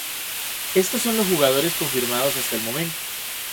Estos son los jugadores confirmados hasta el momento.